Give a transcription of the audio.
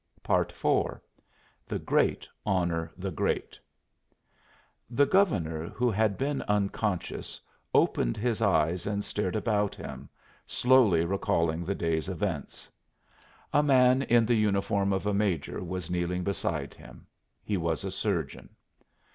IV THE GREAT HONOR THE GREAT The Governor, who had been unconscious, opened his eyes and stared about him, slowly recalling the day's events. A man in the uniform of a major was kneeling beside him; he was a surgeon.